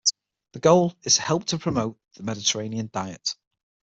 The goal is to help to promote the Mediterranean diet.